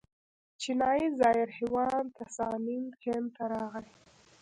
چینایي زایر هیوان تسانګ هند ته راغی.